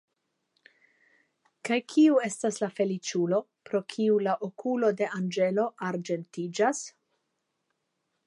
Kaj kiu estas la feliĉulo, pro kiu la okulo de anĝelo arĝentiĝas?